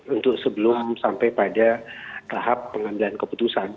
untuk sebelum sampai pada tahap pengambilan keputusan